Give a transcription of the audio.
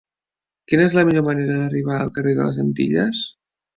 Quina és la millor manera d'arribar al carrer de les Antilles?